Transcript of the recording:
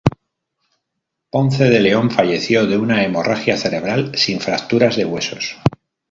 Ponce de León falleció de una hemorragia cerebral, sin fracturas de huesos.